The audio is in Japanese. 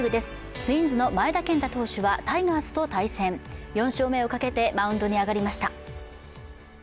ツインズの前田大然投手は、タイガースと対戦、４勝目をかけてマウンドに上がりました。